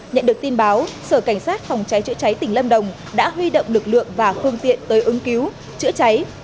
nhận được tin báo sở cảnh sát phòng cháy chữa cháy tỉnh lâm đồng đã huy động lực lượng và phương tiện tới ứng cứu chữa cháy